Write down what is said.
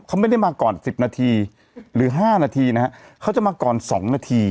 เขาไม่ได้มาก่อน๑๐นาทีหรือ๕นาทีนะฮะเขาจะมาก่อน๒นาที